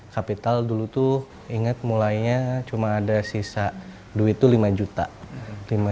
kapital dulu tuh inget mulainya cuma ada sisa duit tuh lima juta